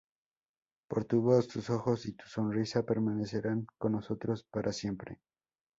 Pero tu voz, tus ojos y tu sonrisa permanecerán con nosotros para siempre.